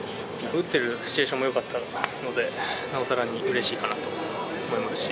打ってるシチュエーションもよかったので、さらにうれしいかなと思いますし。